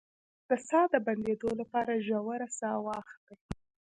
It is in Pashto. د ساه د بندیدو لپاره ژوره ساه واخلئ